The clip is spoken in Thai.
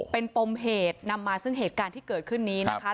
เป็นปมเหตุนำมาซึ่งเหตุการณ์ที่เกิดขึ้นนี้นะคะ